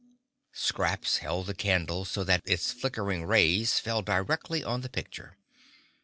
Scraps held the candle so that its flickering rays fell directly on the picture.